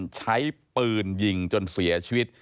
ใช้ปืนยิงจนเสียชีวิต